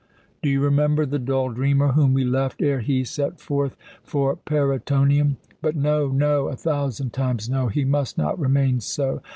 Do you remember the dull dreamer whom we left ere he set forth for Parætonium? But no, no, a thousand times no, he must not remain so!